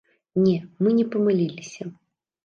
Не, мы не памыліліся.